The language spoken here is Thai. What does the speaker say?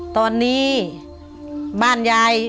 ตอนนี้บ้านยาย